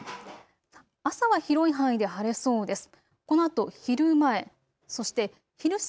朝は広い範囲で晴れそうです。